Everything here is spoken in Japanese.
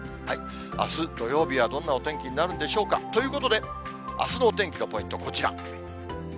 あす土曜日はどんなお天気になるんでしょうかということで、あすの天気のポイントはこちら。